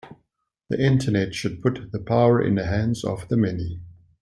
The Internet should put the power in the hands of the many.